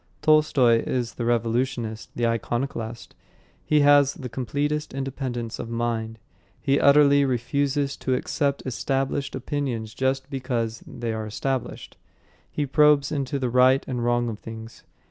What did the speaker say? Tolstoy, is the revolutionist, the iconoclast. He has the completest independence of mind. He utterly refuses to accept established opinions just because they are established. He probes into the right and wrong of things.